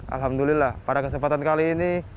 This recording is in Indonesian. alhamdulillah pada kesempatan kali ini